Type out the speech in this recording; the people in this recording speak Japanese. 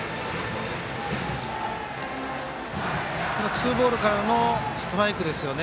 ツーボールからのストライクですよね。